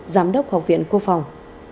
giám đốc học viện quốc phòng